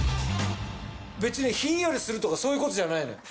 別にひんやりするとかそういうことじゃないのよ。